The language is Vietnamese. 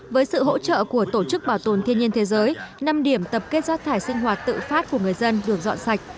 với sự hỗ trợ của tổ chức bảo tồn thiên nhiên thế giới năm điểm tập kết rác thải sinh hoạt tự phát của người dân được dọn sạch